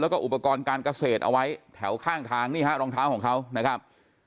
แล้วก็อุปกรณ์การเกษตรเอาไว้แถวข้างทางนี่ฮะรองเท้าของเขานะครับ